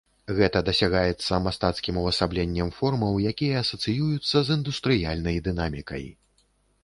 Гэта дасягаецца мастацкім увасабленнем формаў, якія асацыююцца з індустрыяльнай дынамікай.